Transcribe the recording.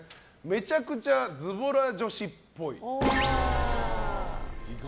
めちゃくちゃズボラ女子っぽい。